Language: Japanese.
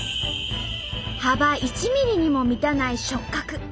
幅１ｍｍにも満たない触角。